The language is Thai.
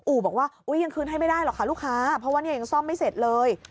บอกว่าอุ๊ยยังคืนให้ไม่ได้หรอกค่ะลูกค้าเพราะว่าเนี่ยยังซ่อมไม่เสร็จเลย